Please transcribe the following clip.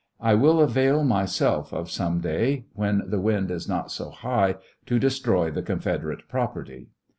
I will avail myself of some day, when the wind is not so high, to destroy the Confederate property."